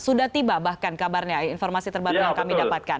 sudah tiba bahkan kabarnya informasi terbaru yang kami dapatkan